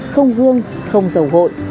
không gương không dầu gội